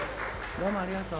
どうもありがとう。